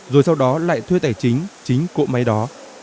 rồi sau đó lại thuê tài chính chính cỗ máy đó